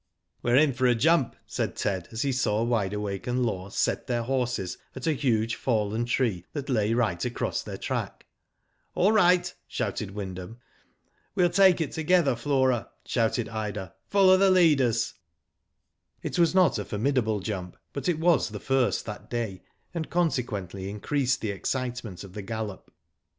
''We're in for a jump," said Ted, as h^ s^vv Digitized byGoogk A RATTLING GALLOP, 105 Wide Awake and Law set their horses at a huge fallen tree that lay right across their track. •*All right," shouted Wyndham. "We'll take it together, Flora/' shouted Ida, /'follow the leaders/' It was not a formidable jump, but it was the first that day, and, consequently, increased the excitement of the gallop.